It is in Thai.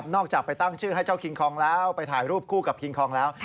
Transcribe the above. จากไปตั้งชื่อให้เจ้าคิงคองแล้วไปถ่ายรูปคู่กับคิงคองแล้ว